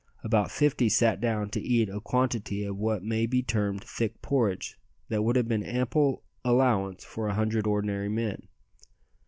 About fifty sat down to eat a quantity of what may be termed thick porridge that would have been ample allowance for a hundred ordinary men.